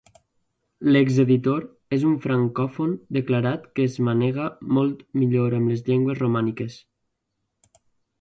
L'exeditor és un francòfon declarat que es manega molt millor amb les llengües romàniques.